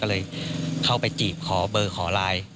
ก็เลยเข้าไปจีบขอเบอร์ขอไลน์